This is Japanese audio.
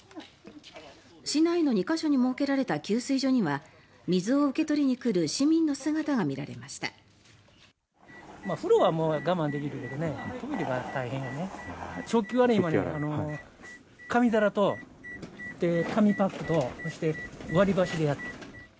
市内の２か所に設けられた給水所には水を受け取りに来る市民の姿が見られました。